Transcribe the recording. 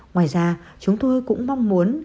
ngoài ra chúng tôi cũng mong muốn